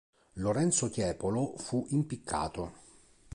Lorenzo Tiepolo fu impiccato.